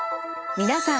皆さん